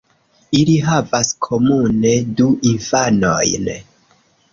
Ili havas komune du infanojn.